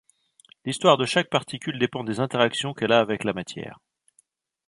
L'histoire de chaque particule dépend des interactions qu'elle a avec la matière.